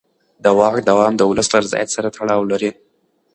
د واک دوام د ولس له رضایت سره تړاو لري